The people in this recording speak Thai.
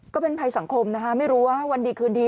ก็เป็นภัยสังคมนะคะไม่รู้ว่าวันดีคืนดี